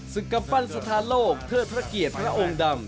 กำปั้นสถานโลกเทิดพระเกียรติพระองค์ดำ